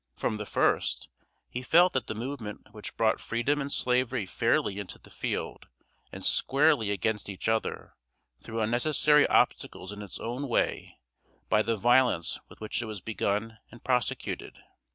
From the first, he felt that the movement which brought Freedom and Slavery fairly into the field and squarely against each other, threw unnecessary obstacles in its own way by the violence with which it was begun and prosecuted.